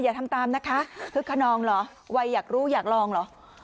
อย่าทำตามนะคะคึกขนองเหรอวัยอยากรู้อยากลองเหรอ